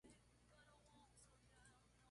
Fue fundador del Partido Liberal de Chile.